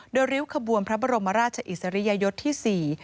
โดยริ้วขบวนพระบรมราชอิสริยยศที่๔